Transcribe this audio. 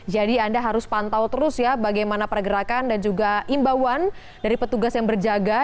jadi anda harus pantau terus ya bagaimana pergerakan dan juga imbauan dari petugas yang berjaga